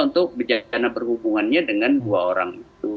untuk berjalan berhubungannya dengan dua orang